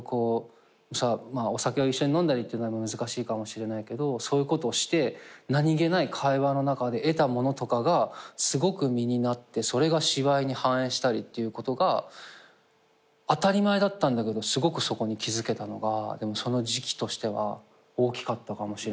お酒を一緒に飲んだりっていうのは難しいかもしれないけどそういうことをして何げない会話の中で得たものとかがすごく身になってそれが芝居に反映したりってことが当たり前だったんだけどすごくそこに気づけたのがその時期としては大きかったかもしれないです。